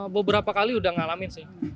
beberapa kali udah ngalamin sih